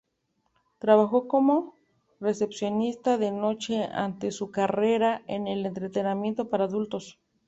Trabajó como recepcionista de noche antes de su carrera en el entretenimiento para adultos.